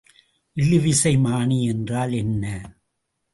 இழுவிசைமானி என்றால் என்ன?